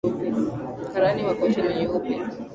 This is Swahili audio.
Karani wa koti ni yupi?